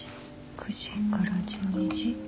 ９時から１２時。